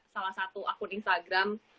salah satu akun instagram